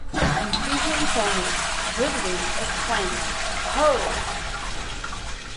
In "Pigeon Panic" Ludwig exclaims, "Ho!